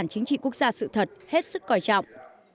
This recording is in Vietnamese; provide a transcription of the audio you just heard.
nhà xuất bản chính trị quốc gia sự thật hết sức quan trọng